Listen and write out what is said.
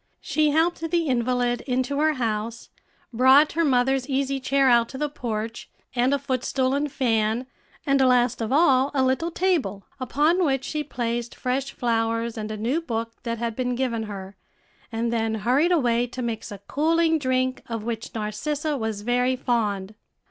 She helped the invalid into her house, brought her mother's easy chair out to the porch, and a footstool and fan, and last of all a little table, upon which she placed fresh flowers and a new book that had been given her, and then hurried away to mix a cooling drink, of which Narcissa was very fond.